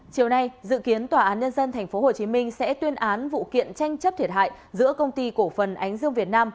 chiều nay dự kiến tòa án nhân dân tp hcm sẽ tuyên án vụ kiện tranh chấp thiệt hại giữa công ty cổ phần ánh dương việt nam